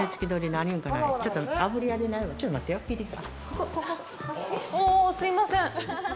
ああ、すいません。